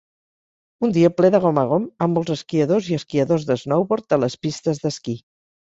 Un dia ple de gom a gom amb molts esquiadors i esquiadors d'snowboard a les pistes d'esquí.